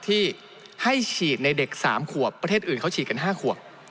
ที่ให้ฉีดในเด็ก๓ขวบประเทศอื่นเขาฉีดกัน๕ขวบ